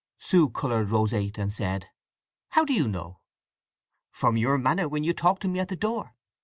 Sue coloured roseate, and said, "How do you know?" "From your manner when you talked to me at the door.